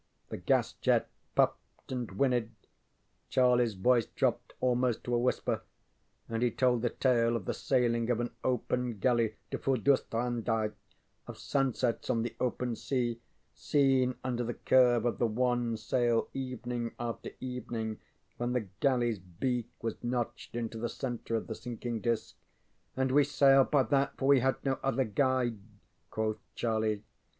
The gas jet puffed and whinnied, CharlieŌĆÖs voice dropped almost to a whisper, and he told a tale of the sailing of an open galley to Furdurstrandi, of sunsets on the open sea, seen under the curve of the one sail evening after evening when the galleyŌĆÖs beak was notched into the centre of the sinking disc, and ŌĆ£we sailed by that for we had no other guide, ŌĆØ quoth Charlie.